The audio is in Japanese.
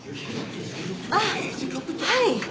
あっはい！